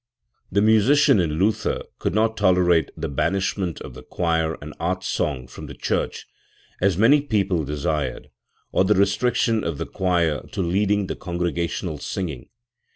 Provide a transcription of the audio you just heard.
The musician in Luther could not tolerate the banishment of choir and art song from the church, as many people desired, or the restriction of the choir to leading the con gregational singing.